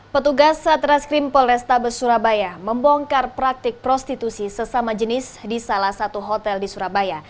petugas satreskrim polrestabes surabaya membongkar praktik prostitusi sesama jenis di salah satu hotel di surabaya